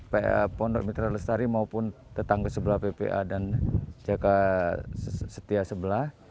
pondok mitra lestari maupun tetangga sebelah ppa dan jaga setia sebelah